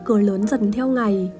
cơ lớn dần theo ngày